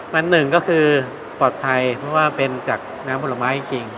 มันหนึ่งก็คือปลอดภัยเพราะว่าเป็นจากน้ำผลไม้จริง